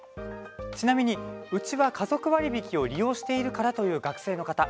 ちなみに、うちは家族割引を利用しているからという学生の方